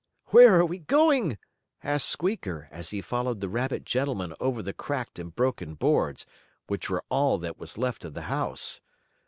"Where are we going?" asked Squeaker, as he followed the rabbit gentleman over the cracked and broken boards, which were all that was left of the house.